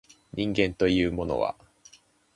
人間というものは